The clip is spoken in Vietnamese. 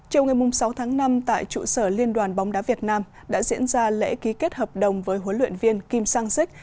chiều ngày sáu tháng năm tại trụ sở liên đoàn bóng đá việt nam đã diễn ra lễ ký kết hợp đồng với huấn luyện viên kim sang sik